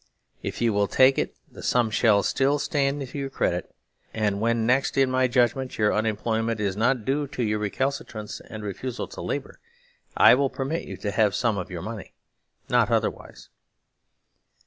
If you will take it the sum shall still stand to your credit, and when next in my judgment your unemployment is not due to your recalcitrance and refusal to labour, 175 THE SERVILE STATE I will permit you to have some of your money : not otherwise."